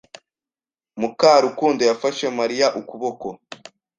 Mukarukundo yafashe Mariya ukuboko.